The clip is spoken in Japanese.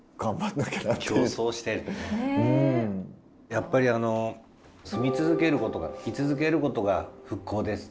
やっぱりあの「住み続けることが居続けることが復興です」。